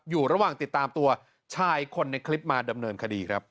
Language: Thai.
อยู่ระหว่างติดตามตัวชายคนในคลิปมาดำเนินคดีครับ